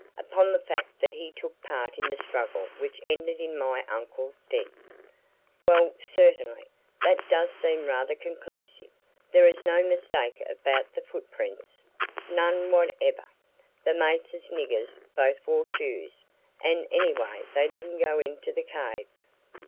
"Upon the fact that he took part in the struggle which ended in my uncle's death." "Well, certainly, that does seem rather conclusive there is no mistake about the foot prints?" "None whatever; the Mathers niggers both wore shoes, and anyway they didn't go into the cave."